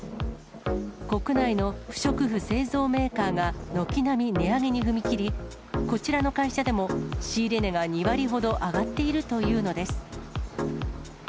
国内の不織布製造メーカーが、軒並み値上げに踏み切り、こちらの会社でも、仕入れ値が２割ほど上がっているというのです。